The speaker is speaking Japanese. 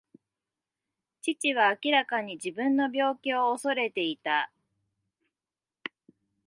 父は明らかに自分の病気を恐れていた。